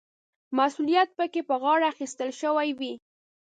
مسوولیت پکې په غاړه اخیستل شوی وي.